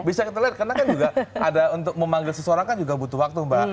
bisa kita lihat karena kan juga ada untuk memanggil seseorang kan juga butuh waktu mbak